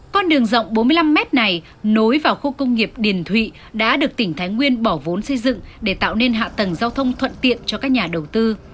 con đường rộng bốn mươi năm mét này nối vào khu công nghiệp điền thụy đã được tỉnh thái nguyên bỏ vốn xây dựng để tạo nên hạ tầng giao thông thuận tiện cho các nhà đầu tư